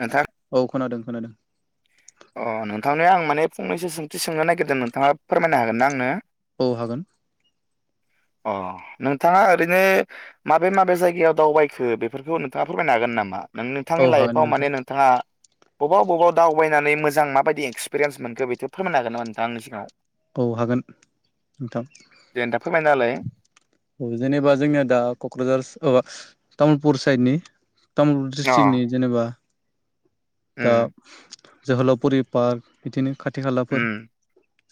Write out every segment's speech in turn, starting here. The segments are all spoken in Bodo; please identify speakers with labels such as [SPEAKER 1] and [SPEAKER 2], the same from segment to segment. [SPEAKER 1] नोंथां
[SPEAKER 2] औ खोनादों खोनादों
[SPEAKER 1] अ नोंथांनो आं माने फंनैसो सोंथि सोंनो नागिरदों नोंथाङा फोरमायनो हागोन ना आंनो
[SPEAKER 2] औ हागोन
[SPEAKER 1] अ नोंथाङा ओरैनो माबे माबे जायगायाव दावबायखो बेफोरखौ नोंथाङा फोरमायनो हागोन नामा नों
[SPEAKER 2] औ
[SPEAKER 1] नोंथांनि
[SPEAKER 2] हागोन
[SPEAKER 1] लाइफआव
[SPEAKER 2] नोंथां
[SPEAKER 1] माने नोंथाङा बबाव बबाव दावबाय नानै मोजां माबायदि एक्सपिरियेस मोनखो बेफोर फोरायनो हागोन नामा नोंथांंङा आंनि सिगाव
[SPEAKER 2] औ हागोन नोंथां
[SPEAKER 1] दे नोंथां फोरमायना होलाय
[SPEAKER 2] औ जेनेबा जोंनिया दा क'क्राझारक अ माबा तामुलपुर साइडनि तामुलपुर
[SPEAKER 1] अ
[SPEAKER 2] डिस्ट्रिक्कनि जेनेबा दा
[SPEAKER 1] उम
[SPEAKER 2] जोहोलावफुरि पार्क बिदिनो खाथ थि खालाफोर
[SPEAKER 1] उम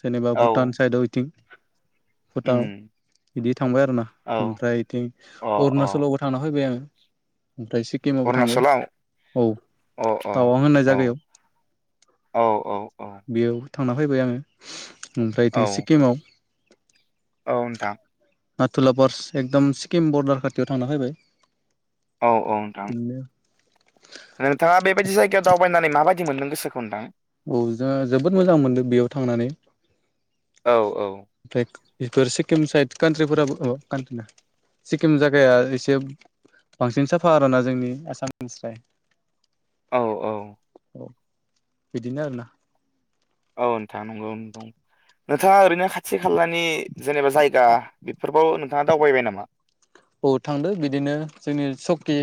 [SPEAKER 2] जेनेबा
[SPEAKER 1] औ
[SPEAKER 2] भुटान साइडआव इथिंनो [inaudible] भुटान
[SPEAKER 1] उम
[SPEAKER 2] बिदि थांबाय आरोना
[SPEAKER 1] औ
[SPEAKER 2] ओमफ्राय बिथिं
[SPEAKER 1] अ अ
[SPEAKER 2] अरुणाचलावबो थांना फैबाय आङो ओमफ्राय सिक्किमाबबो थांबाय
[SPEAKER 1] अरुणाचलाव
[SPEAKER 2] औ
[SPEAKER 1] अ अ
[SPEAKER 2] तावां होननाय
[SPEAKER 1] औ
[SPEAKER 2] जायगायाव
[SPEAKER 1] औ औ औ
[SPEAKER 2] बेयाव थांना फैबाय आङो ओमफ्रा
[SPEAKER 1] औ
[SPEAKER 2] इथिं सिक्किमाव
[SPEAKER 1] औ नोंथां
[SPEAKER 2] नाथुलापार्स एकदम सिक्किम बरदार खाथियाव थांना फैबाय
[SPEAKER 1] औ औ नोंथां
[SPEAKER 2] बिदिनो
[SPEAKER 1] नोंथाङा बेबायदि जायगायाव दावबायनानै माबायदि बिदि मोनदों गोसोखौ नोंथां
[SPEAKER 2] औ जोंङो जोबोद मोजां मोनदों बेयाव थांनानै
[SPEAKER 1] औ औ
[SPEAKER 2] ओमफ्राय बेफोर सिक्किम साइद कान्ट्रिफोराबो ओ कान्ट्रिनो सिक्किम जायागाया एसे बांसिन साफा आरोना जोंनि आसामनिस्राइ
[SPEAKER 1] औ औ
[SPEAKER 2] औ बिदिनो आरोना
[SPEAKER 1] औ नोंथां नंगौ नोंथां नोंथाङा ओरैनो खाथि खालानि जेनेबा जायगा बेफोरबाव नोंथाङा दावबायबाय नामा?
[SPEAKER 2] ओ थांदों बिदिनो जोंनि सौकि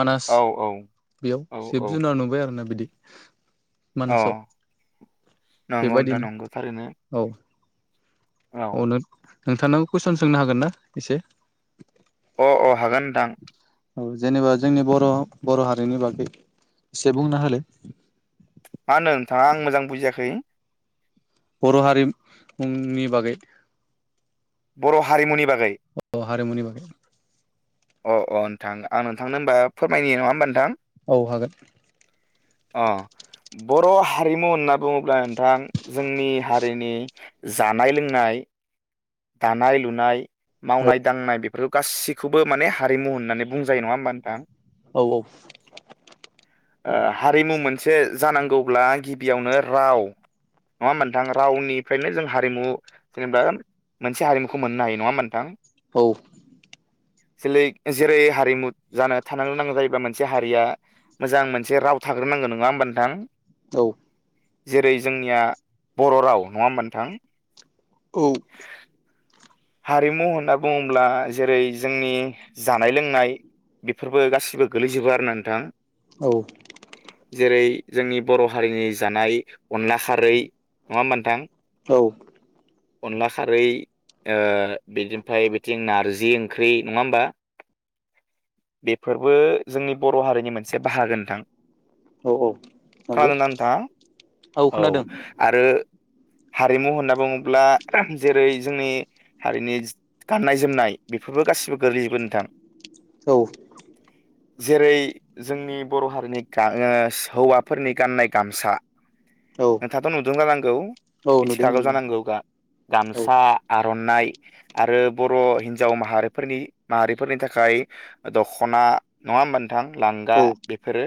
[SPEAKER 2] मानास
[SPEAKER 1] औ औ
[SPEAKER 2] बेयाव
[SPEAKER 1] औ
[SPEAKER 2] जिब जुनार नुबाय आरोना बिदि
[SPEAKER 1] अह
[SPEAKER 2] मानासाव
[SPEAKER 1] नंगौ नोंथां
[SPEAKER 2] बेबायदिनो
[SPEAKER 1] नंगौ थारैनो
[SPEAKER 2] औ औ नो- नोंथांनाव कुइसन सोंनो हागोन ना एसे?
[SPEAKER 1] अह अह हागोन नोंथां।
[SPEAKER 2] औ जेनेबा जोंनि बर' बर' हारिनि बागै एसे बुंना होलाय।
[SPEAKER 1] मा होनो नोंथाङा आं मोजां बुजियाखै?
[SPEAKER 2] बर' हारिनि बागै
[SPEAKER 1] बर' हारिमुनि बागै
[SPEAKER 2] बर' हारिमुनि बागै
[SPEAKER 1] अ' अ' नोंथां आं नोंथांनो होनबा फोरमायनि नङा होमबा नोंथां
[SPEAKER 2] औ हागोन।
[SPEAKER 1] अ' बर' हारिमु होनना बुङोब्ला नोंथां जोंनि हारिनि जानाय- लोंनाय दानाय- लुनाय मावनाय दांनाय बे बेफोरो गासिखौबो माने हारिमु होननानै बुंजायो नङा होमबा नोंथां।
[SPEAKER 2] औ औ
[SPEAKER 1] ओ हारिमु मोनसे जानांगौब्ला गिबियावनो राव नङा होनबा नोंथां रावनिफ्रायनो जों हारिमु जेनेबा मोनसे हारिमुखौ मोननो हायो नङा होनबा नोंथां।
[SPEAKER 2] औ
[SPEAKER 1] जोलै जेरै हारिमु जानो थानो गोनां जायोबा मोनसे हारिया मोजां मोनसे राव थाग्रोनांगौ नङा होमबा नोंथां।
[SPEAKER 2] औ
[SPEAKER 1] जेरै जोंनिया बर' राव नङा होनबा नोंथां ।
[SPEAKER 2] औ
[SPEAKER 1] हारिमु होनना बुङोब्ला जेरै- जोंनि जानाय लोंनाय बेफोरबो गासिबो गोलैजोबो आरो नोंथां।
[SPEAKER 2] औ
[SPEAKER 1] जेरै- जोंनि बर' हारिनि जानाय अनला खारै नङा होनबा नोंथां।
[SPEAKER 2] औ
[SPEAKER 1] अनला खारै ओ बिनिफ्राय बिथिं नारजि ओंख्रि नङा होमबा बेफोरबो जोंनि बर' हारिनि मोनसे बाहागो नोंथां।
[SPEAKER 2] औ नंगौ
[SPEAKER 1] खोनादो ना नोंथां? औ आरो हारिमु होनना बुङोब्ला जेरै-जोंनि हारिनि गाननाय जोमनाय बेफोरबो गासिबो गोरलैजोबो नोंथां।
[SPEAKER 2] औ
[SPEAKER 1] जेरै जोंनि बर' हारिनि ओ हौवाफोरनि गाननाय गामसा
[SPEAKER 2] औ
[SPEAKER 1] नोंथाङाथ' नुदों जानांगौ
[SPEAKER 2] औ नुदों
[SPEAKER 1] मिथिखागौ
[SPEAKER 2] नुदों
[SPEAKER 1] जानांगौ
[SPEAKER 2] औ
[SPEAKER 1] गामसा फाननाय आरो बर' हिनजाव माहारिफोरनि माहारिफोरनि थाखाय दख'ना नङा होमबा गोथां लांगा
[SPEAKER 2] औ
[SPEAKER 1] बेफोरो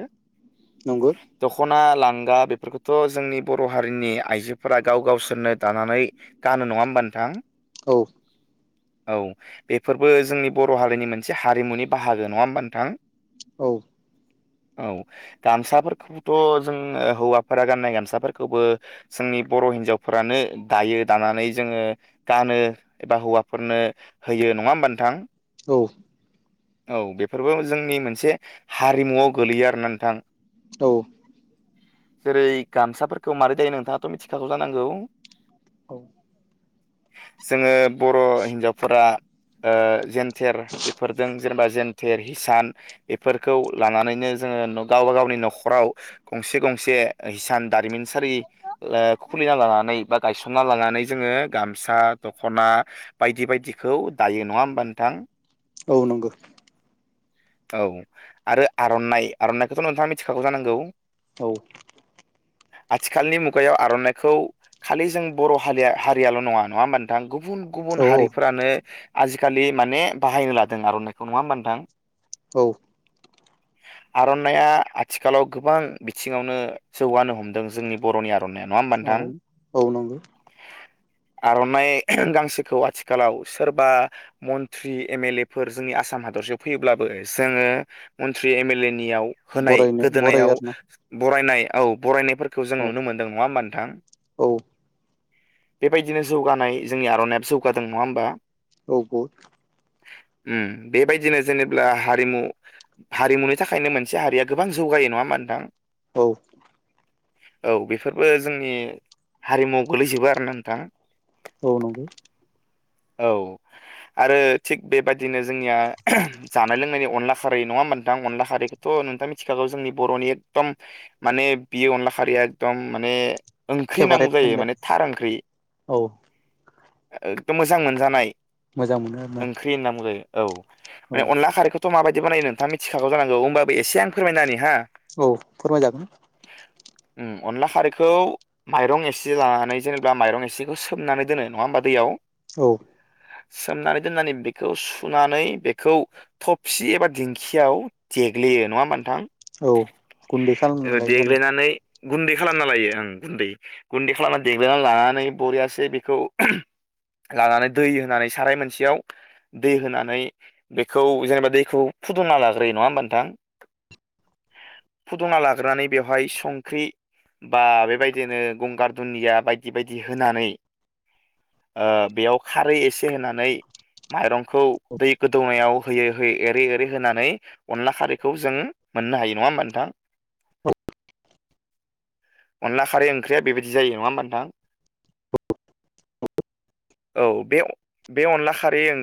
[SPEAKER 2] नंगौ
[SPEAKER 1] दख'ना लांगा ङुंगा बेफोरखौथ' जोंनि बर' हारिनि आइजोफोरा गाव गावसोरनो दानानै गानो नङा होमबा नोंथां।
[SPEAKER 2] औ
[SPEAKER 1] औ बेफोरबो जोंनि बर' हारिनि मोनसे हारिमुनि बाहागो नङा होमबा नोंथां।
[SPEAKER 2] औ
[SPEAKER 1] औ गामसाफोरखौथ' जोंङो हौवाफोरा गाननाय गामसाफोरखौबो जोंनि बर' हिनजावफोरानो दायो । दानानै जोङो गानो एबा हौवाफोरनो होयो नङा होमबा नोंथां।
[SPEAKER 2] औ
[SPEAKER 1] औ बेफोरबो जोंनि मोनसे हारिमुआव गोलैयो आरोना नोंथां।
[SPEAKER 2] औ
[SPEAKER 1] जेरै गामसाफोरखौ मारै दायो नोंथाङाथ' मिथिखागौ जानांगौ।
[SPEAKER 2] औ
[SPEAKER 1] जोङो बर' हिनजावफोरा ओ जेन थेर बेफोरजों जेनेबा जेेनथेर हिसान बेफोरखौ लानानैनो जोङो गावबा गावनि न'खराव गंसे गंसे हिसान दारिमिन सारि खुलिना लानानै बा गायसंना लानानै जोङो गामसा दख'ना बायदि बायदिखौ दायो नङा होमबा नोंथां?
[SPEAKER 2] औ नंगौ।
[SPEAKER 1] औ आरो आर'नाइ आर'नाइखौथ' नोंथाङा मिथिखागौ जानांगौ?
[SPEAKER 2] औ।
[SPEAKER 1] आथिखालनि मुगायाव आर'नाइखौ खालि जों बर' हारिया हारि ल' नङ नङा होमबा नोंथां गुबुन गुबुन
[SPEAKER 2] औ
[SPEAKER 1] हारिफ्रानो आजिखालि माने बाहायनो लादों आर'नाइखौ नङा होमबथां?
[SPEAKER 2] औ।
[SPEAKER 1] आर'नायइआ आथिखालाव गोबां बिथिङावनो जौगानो हमदों जोंनि बर'नि आर'नाइा नङा होमबा
[SPEAKER 2] औ
[SPEAKER 1] नोंथां?
[SPEAKER 2] औ नंगौ
[SPEAKER 1] आर'नाइ गांसोखौ आथिखालाव सोरबा मन्त्रि एम एल ए फोर जोंनि आसाम हादरसेयाव फैयोब्लाबो जोङो मन्त्रि एम एल ए नियाव होनाय
[SPEAKER 2] बरायनो बरायो
[SPEAKER 1] गोदोनायाव
[SPEAKER 2] आरोना
[SPEAKER 1] बरायनाय औ बरायनायफोरखौ जों
[SPEAKER 2] औ
[SPEAKER 1] नुनो मोनदों नङा होमबा नोंथां?
[SPEAKER 2] औ।
[SPEAKER 1] बेबायदिनो जौगानाय जोंनि आर'नाइाब जौगादों नङा होमबा?
[SPEAKER 2] औग'
[SPEAKER 1] बेबायदिनो जेनेब्ला हारिमु हारिमुनि थाखायनो मोनसे हारिया गोबां जौगायो नङा मा नोंथां?
[SPEAKER 2] औ।
[SPEAKER 1] औ बेफोरबो जोंनि हारिमुआव गोलैजोबो आरो ना थां [inaudible]
[SPEAKER 2] औ नंगौ
[SPEAKER 1] औ आरो थिग बेबायदिनो जोंनिया जानाय लोंनायनि अनला खारिै नङा होमबा नोंथां अनला खारिैखौथ' नोंथां मिथिखागौ जोंनि बर'नि एकदम माने बियो अनला खारिैया एकदम माने ओंख्रि होनांगौ
[SPEAKER 2] फेभारेट
[SPEAKER 1] जायो
[SPEAKER 2] होनलाय
[SPEAKER 1] माने थार ओंख्रि।
[SPEAKER 2] औ
[SPEAKER 1] [inaudible] मोजां मोनजानाय।
[SPEAKER 2] मोजां मोनो आरोना
[SPEAKER 1] ओंख्रि होनना बुंजायो। औ।
[SPEAKER 2] औ
[SPEAKER 1] माने अनला आरोारिखौथ' माबायदि बिदि बानायो नोंथाङा मिथिखागौ जानांगौ होमबाबो एसे आं फोरमायना होनि हा
[SPEAKER 2] औ फोरमायजागोन।
[SPEAKER 1] अनला खारैखौ माइरं एसे लानानै जेनेबा माइरं एसेखौ सोमनानै दोनो नङा होमबा दैयाव।
[SPEAKER 2] औ।
[SPEAKER 1] सोमनानै दोननानै बेखौ सुनानै बेखौ थबसि एबा दिंखियाव देग्लियो नङा होमबा नोंथां?
[SPEAKER 2] औ गुन्दै खालामना लायो आरोना
[SPEAKER 1] देग्लिनानै गुन्दै खालामना खालामायो आं गुन्दै गुन्दै खालामनानै देग्रोना‌ लानानै बरियासो बेखौ लानानै दै होनानै साराय मोनसेयाव दै होनानै बेखौ जेनेबा दैखौ फुदुंना लाग्रोयो नङा होमबा नोंथां? फुदुंना लाग्रोनानै बेवहाय संख्रि बा बेबायदिनो गंगार दुन्दिया बायदि बायदि होनानै बेयाव खारै एसे होनानै माइरंखौ दै गोदौनायाव होयै होयै एरै एरै होनानै अनला खारैखौ जों मोननो हायो नङा होमबा नोंथां? अनला खारै ओंख्रिया बेबायदि जायो नङा होमबा नोंथां? औ बे-बे अनला खारै ओं